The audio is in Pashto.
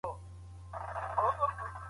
په ګډه منزل ته رسېږو.